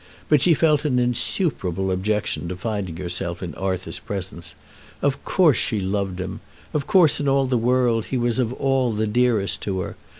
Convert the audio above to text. But she felt an insuperable objection to finding herself in Arthur's presence. Of course she loved him. Of course in all the world he was of all the dearest to her.